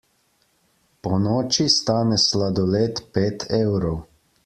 Ponoči stane sladoled pet evrov.